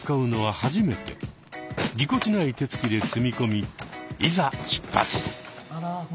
ぎこちない手つきで積み込みいざ出発！